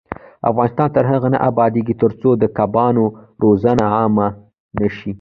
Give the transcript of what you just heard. افغانستان تر هغو نه ابادیږي، ترڅو د کبانو روزنه عامه نشي.